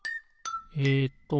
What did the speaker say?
えっと